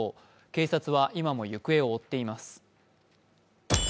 警察は今も行方を追っています。